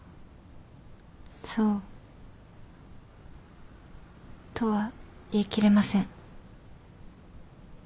そうとは言いきれません。